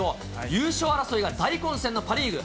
優勝争いが大混戦のパ・リーグ。